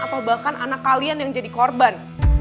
atau bahkan anak kalian yang jadi korban